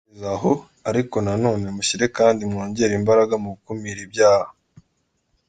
Mukomereze aho; ariko na none mushyire kandi mwongere imbaraga mu gukumira ibyaha.